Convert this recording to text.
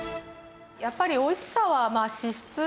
やっぱり美味しさは脂質。